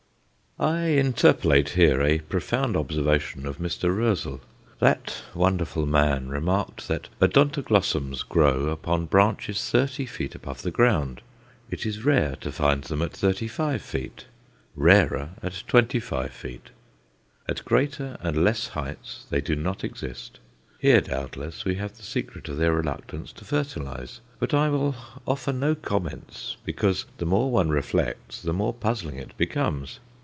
I interpolate here a profound observation of Mr. Roezl. That wonderful man remarked that Odontoglossums grow upon branches thirty feet above the ground. It is rare to find them at thirty five feet, rarer at twenty five; at greater and less heights they do not exist. Here, doubtless, we have the secret of their reluctance to fertilize; but I will offer no comments, because the more one reflects the more puzzling it becomes.